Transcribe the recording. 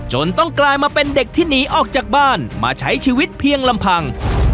จนต้องกลายมาเป็นเด็กที่หนีออกจากบ้านมาใช้ชีวิตเพียงลำพัง